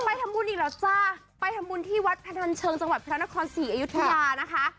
ไปทำบุญอีกแล้วจ้ะไปทำบุญที่วัดพันธรรมเชิงจังหวัดพระนครสี่อายุทธิานะคะ